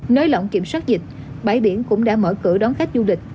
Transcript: nới lỏng kiểm soát dịch bãi biển cũng đã mở cửa đón khách du lịch